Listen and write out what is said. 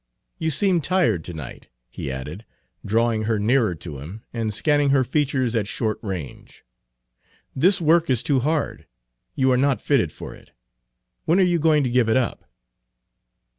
You seem tired tonight," he added, drawing her nearer to him and scanning her features at short range. "This work is too hard; you are not fitted for it. When are you going to give it up?"